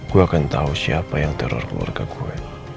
gue akan tahu siapa yang teror keluarga gue